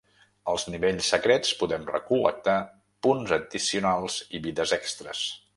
Als nivells secrets podem recol·lectar punts addicionals i vides extres.